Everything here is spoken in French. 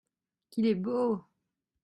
—qu’il est beau !